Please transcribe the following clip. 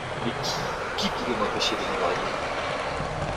Mais qui ? qui pourrait m’empêcher de me marier ?